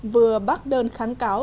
vừa bác đơn kháng cáo